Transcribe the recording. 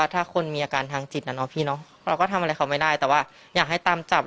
เธอก็ได้อะไรดี